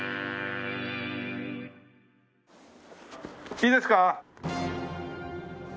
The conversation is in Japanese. いいですか？